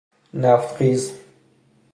نفت خیز